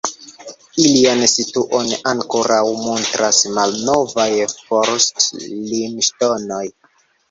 Ilian situon ankoraŭ montras malnovaj forst-limŝtonoj.